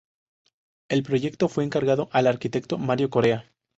El proyecto fue encargado al arquitecto Mario Corea.